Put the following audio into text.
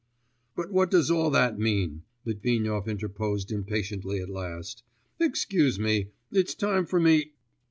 'But what does all that mean?' Litvinov interposed impatiently at last. 'Excuse me, it's time for me....